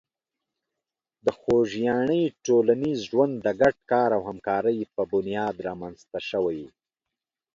د خوږیاڼي ټولنیز ژوند د ګډ کار او همکاري په بنیاد رامنځته شوی.